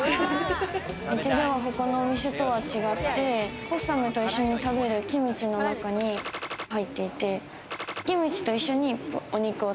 うちでは他のお店とは違ってポッサムと一緒に食べるキムチの中に入ってて、キムチと一緒にお肉を